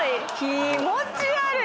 気持ち悪い！